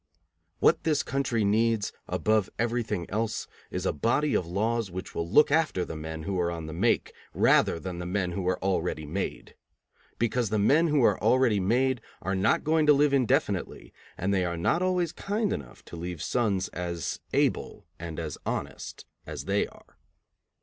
What this country needs above everything else is a body of laws which will look after the men who are on the make rather than the men who are already made. Because the men who are already made are not going to live indefinitely, and they are not always kind enough to leave sons as able and as honest as they are.